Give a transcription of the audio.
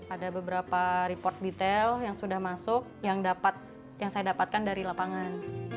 ada beberapa report detail yang sudah masuk yang saya dapatkan dari lapangan